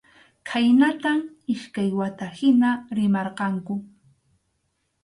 Khaynatam iskay wata hina rimarqanku.